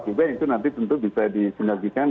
juga itu nanti tentu bisa disinergikan